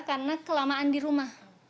karena kelamaan di rumah